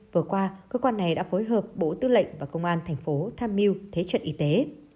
vừa qua cơ quan này đã phối hợp bộ tư lệnh và công an tp tham miu thế trận y tế